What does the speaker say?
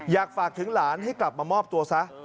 อยากฝากถึงหลานให้กลับมามอบตัวซะ